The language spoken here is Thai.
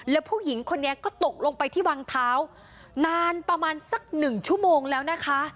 แล้วผู้หญิงคนนี้ก็ตกลงไปที่วังเท้านานประมาณสักหนึ่งชั่วโมงแล้วนะคะ